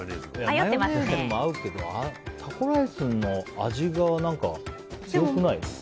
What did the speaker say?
マヨネーズも合うけどタコライスの味が強くない？